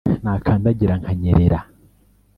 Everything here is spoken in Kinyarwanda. Nakandagira nkanyerera